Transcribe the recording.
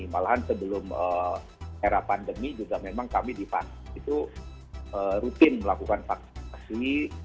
malahan sebelum era pandemi juga memang kami di vaksin itu rutin melakukan vaksinasi